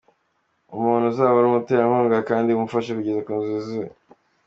Umuntu uzaba ari umuterankunga kandi umufasha kugera ku nzozi ze.